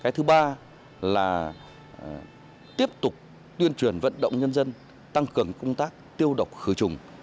thứ ba là tiếp tục tuyên truyền vận động nhân dân tăng cường công tác tiêu độc khử trùng